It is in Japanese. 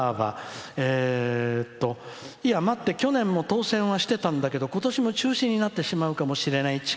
「いや、待って去年も当選してたんだけどことしも中止になってしまうかもしれない。